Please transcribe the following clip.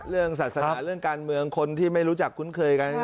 เรื่องศาสนาเรื่องการเมืองคนที่ไม่รู้จักคุ้นเคยกัน